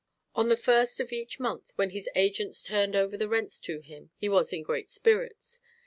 On the first of each month when his agents turned over the rents to him he was in great spirits.